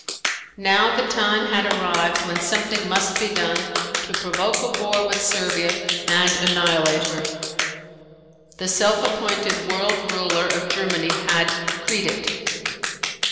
Now the time had arrived when something must be done to provoke a war with Servia and annihilate her. The self appointed world ruler of Germany had decreed it.